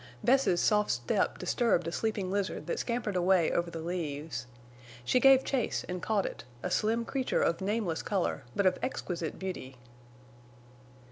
Bess's soft step disturbed a sleeping lizard that scampered away over the leaves. She gave chase and caught it, a slim creature of nameless color but of exquisite beauty.